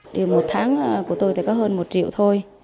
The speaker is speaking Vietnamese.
thì một tháng của tôi thì có hơn một triệu thôi